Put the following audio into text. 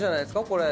これ。